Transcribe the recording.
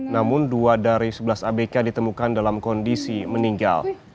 namun dua dari sebelas abk ditemukan dalam kondisi meninggal